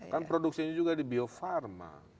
kan produksinya juga di bio farma